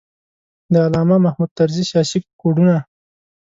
د علامه محمود طرزي سیاسي کوډونه.